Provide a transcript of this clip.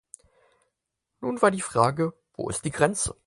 Nun war die Frage: Wo ist die Grenze?